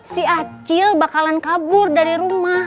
si acil bakalan kabur dari rumah